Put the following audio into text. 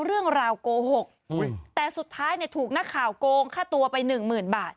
เรื่องราวกโกหกอุ้ยแต่สุดท้ายเนี่ยถูกนักข่าวโกงค่าตัวไปหนึ่งหมื่นบาท